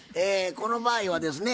この場合はですね